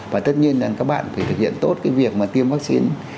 và tất nhiên là các bạn phải thực hiện tốt cái việc mà tiêm vắc xin